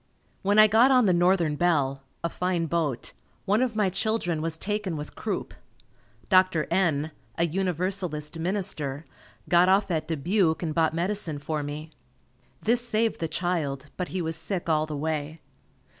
When I got on the Northern Belle, a fine boat, one of my children was taken with croup. Dr. N , a Universalist minister, got off at Dubuque and bought medicine for me. This saved the child, but he was sick all the way.